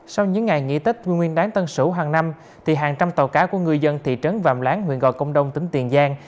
sau những ngày nghỉ tết nguyên đáng tân sửu hàng năm hàng trăm tàu cá của người dân thị trấn vàm láng huyện gò công đông tỉnh tiền giang